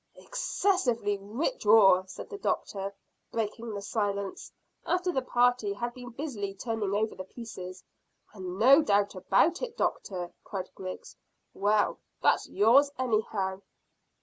"Excessively rich ore," said the doctor, breaking the silence, after the party had been busily turning over the pieces. "And no doubt about it, doctor," cried Griggs. "Well, that's yours, anyhow."